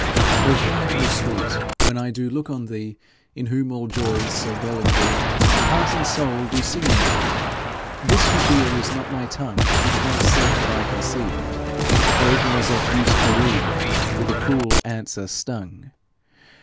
O fair, O sweet, when I do look on thee, In whom all joys so well agree, Heart and soul do sing in me. This you hear is not my tongue, Which once said what I conceived, For it was of use bereaved, With a cruel answer stung.